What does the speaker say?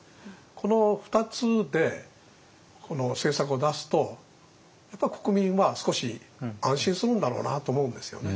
この２つで政策を出すとやっぱり国民は少し安心するんだろうなと思うんですよね。